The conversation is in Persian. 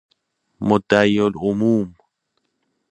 مدعیالعموم